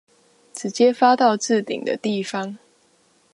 直接發到置頂的地方